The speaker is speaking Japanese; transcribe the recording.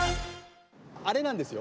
あれなんですよ。